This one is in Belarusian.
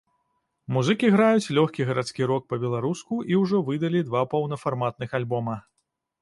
Музыкі граюць лёгкі гарадскі рок па-беларуску і ўжо выдалі два паўнафарматных альбома.